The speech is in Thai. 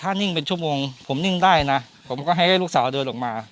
ถ้านิ่งเป็นชั่วโมงผมนิ่งได้นะผมก็ให้ลูกสาวเดินออกมา